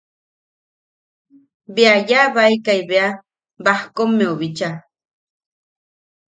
Bea yaʼabaekai bea bajkommeu bicha.